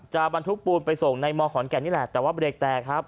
บรรทุกปูนไปส่งในมขอนแก่นนี่แหละแต่ว่าเบรกแตกครับ